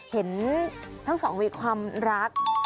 เห็นทั้งสองมีความรัก